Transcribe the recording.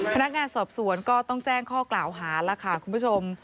พนักงานสอบสวนก็ต้องแจ้งข้อกล่าวหาแล้วค่ะคุณผู้ชม